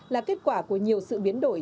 là kết quả của nhiều sự biến đổi